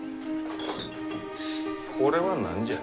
これは何じゃ？